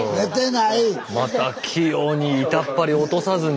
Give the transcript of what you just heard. また器用に板っぱりを落とさずに。